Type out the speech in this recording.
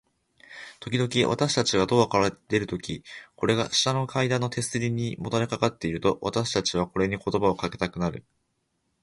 ときどき、私たちがドアから出るとき、これが下の階段の手すりにもたれかかっていると、私たちはこれに言葉をかけたくなる。